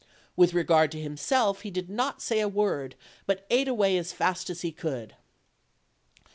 With regard to himself, he did not say a word, but ate away as fast as he could.